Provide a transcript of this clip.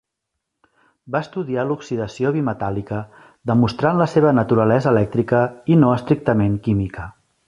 Va estudiar l'oxidació bimetàl·lica demostrant la seva naturalesa elèctrica i no estrictament química.